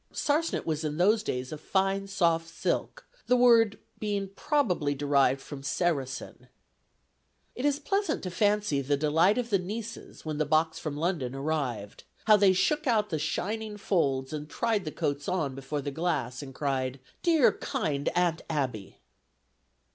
Sarcenet was in those days "a fine soft silk," the word being "probably derived from 'Saracen.'" It is pleasant to fancy the delight of the nieces when the box from London arrived. How they shook out the shining folds and tried the coats on before the glass, and cried, "Dear, kind Aunt Abby!"